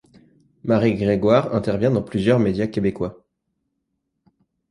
Marie Grégoire intervient dans plusieurs médias québécois.